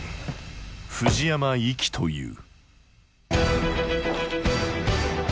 藤山粋という。